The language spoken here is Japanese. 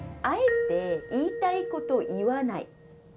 あえて言いたいこと言わない。